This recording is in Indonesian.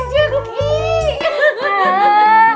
assalamualaikum bang jam